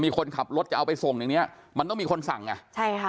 คนขับรถจะเอาไปส่งอย่างเนี้ยมันต้องมีคนสั่งไงใช่ค่ะ